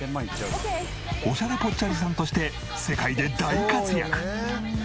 オシャレぽっちゃりさんとして世界で大活躍！